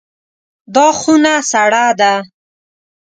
دا خونه سړه ده.